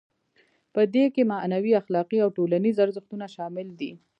په دې کې معنوي، اخلاقي او ټولنیز ارزښتونه شامل دي.